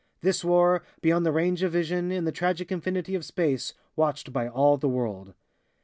This war, beyond the range of vision, in the tragic infinity of space, watched by all the world!